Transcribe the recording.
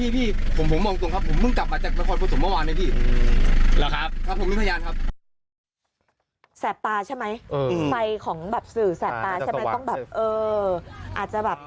ต้องแบบเอออาจจะแบบปลาอาจจะแบบ